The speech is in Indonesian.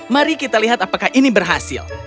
mari kita lihat apakah ini berhasil